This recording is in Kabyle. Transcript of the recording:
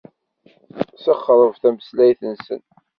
Ssexreb tameslayt-nsen.